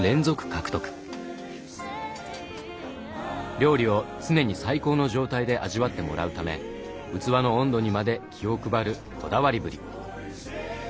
料理を常に最高の状態で味わってもらうため器の温度にまで気を配るこだわりぶり。